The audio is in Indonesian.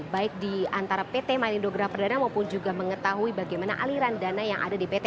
baik di antara pt malindogra perdana maupun juga mengetahui bagaimana aliran dana yang ada di pt